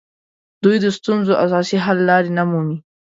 دوی د ستونزو اساسي حل لارې نه مومي